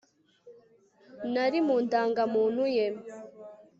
n ari mu ndangamuntu ye